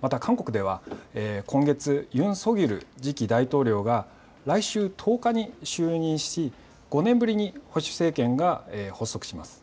また韓国では今月ユン・ソギョル次期大統領が来週１０日に就任し５年ぶりに保守政権が発足します。